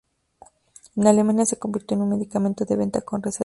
En Alemania se convirtió en un medicamento de venta con receta.